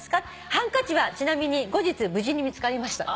「ハンカチはちなみに後日無事に見つかりました」